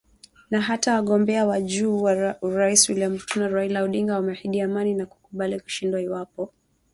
Na hata wagombea wa juu wa urais William Ruto na Raila Odinga wameahidi amani na kukubali kushindwa iwapo upigaji kura utakuwa huru na wa haki